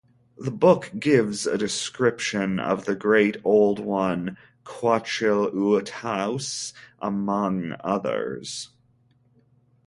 The book gives a description of the Great Old One Quachil Uttaus, among others.